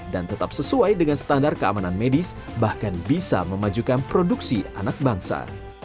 dan tetap sesuai dengan standar keamanan medis bahkan bisa memajukan produksi anak bangsa